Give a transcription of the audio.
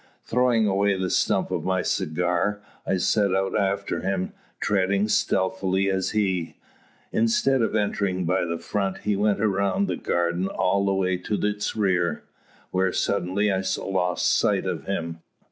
"Throwing away the stump of my cigar, I set out after him, treading stealthily as he. Instead of entering by the front, he went round the garden, all the way to its rear; where suddenly I lost sight of him.